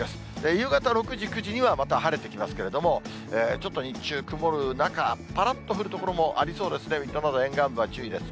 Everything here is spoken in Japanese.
夕方６時、９時には、また晴れてきますけれども、ちょっと日中、曇る中、ぱらっと降る所もありそうですね、水戸など、沿岸部は注意です。